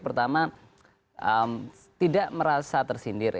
pertama tidak merasa tersindir